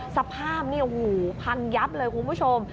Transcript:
สภาพเนี่ยฮู้พังยับเลยคุณผู้ชม